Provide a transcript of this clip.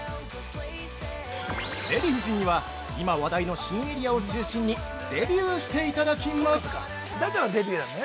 デヴィ夫人には今話題の新エリアを中心にデビューしていただきます。